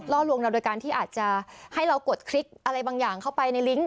ลวงเราโดยการที่อาจจะให้เรากดคลิกอะไรบางอย่างเข้าไปในลิงก